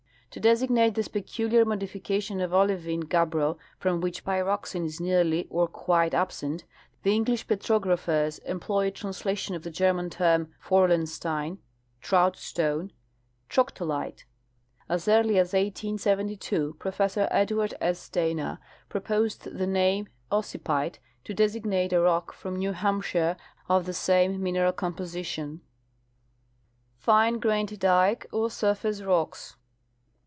To designate this peculiar modification of olivine gabbro from which pyroxene is nearly or quite absent, the English petrog raphers employ a translation of the German term " forellenstein " (trout stone) troctolite. As early as 1872 Professor Edward S. Dana proi30sed the name " ossipyte " to designate a rock from New Hampshire of the same mineral composition. f Fine grained Dike or Surface Rocks.